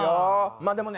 まあでもね